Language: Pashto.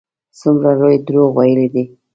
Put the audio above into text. څومره لوی دروغ ویلي دي.